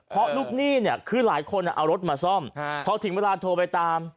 เพราะลูกหนี้เนี่ยคือหลายคนเอารถมาซ่อมพอถึงเวลาโทรไปตาม